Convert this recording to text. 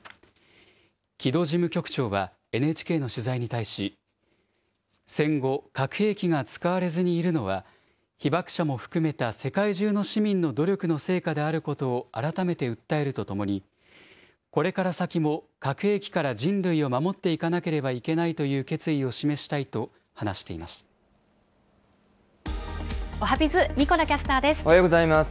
木戸事務局長はＮＨＫの取材に対し、戦後、核兵器が使われずにいるのは、被爆者も含めた世界中の市民の努力の成果であることを改めて訴えるとともに、これから先も核兵器から人類を守っていかなければいけないというおはＢｉｚ、神子田キャスタおはようございます。